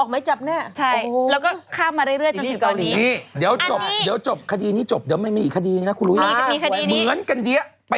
แม่พยานาคเก่งเหลือเกิน